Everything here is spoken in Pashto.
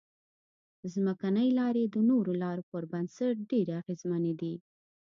ځمکنۍ لارې د نورو لارو په نسبت ډېرې اغیزمنې دي